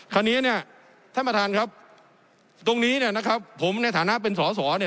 คราวนี้เนี่ยท่านประธานครับตรงนี้เนี่ยนะครับผมในฐานะเป็นสอสอเนี่ย